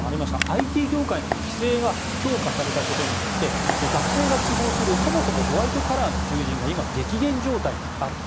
ＩＴ業界などの規制が強化されたことにより学生が希望するそもそもホワイトカラーの求人が今、激減状態にあると。